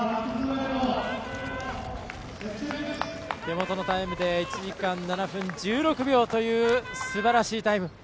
手元のタイムで１時間７分１６秒というすばらしいタイム。